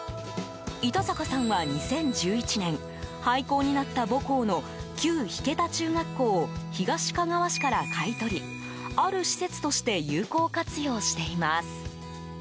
板坂さんは２０１１年廃校になった母校の旧引田中学校を東かがわ市から買い取りある施設として有効活用しています。